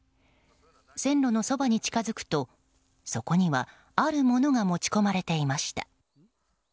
線路のそばに近づくとそこには、あるものが持ち込まれていました。